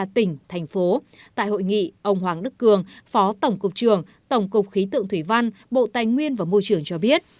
ba tỉnh thành phố tại hội nghị ông hoàng đức cường phó tổng cục trường tổng cục khí tượng thủy văn bộ tài nguyên và môi trường cho biết